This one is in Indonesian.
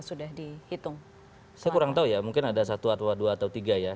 saya kurang tahu ya mungkin ada satu atau dua atau tiga ya